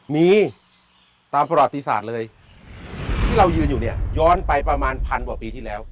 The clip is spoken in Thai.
มีตามประวัติศาสตร์เลยที่เรายืนอยู่เนี่ยย้อนไปประมาณพันกว่าปีที่แล้ว